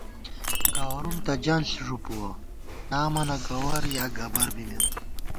گوَرُوم تہ جنݪ ݫُوپُوَہ، نامَنہ گوَر یا گبَر بِمېم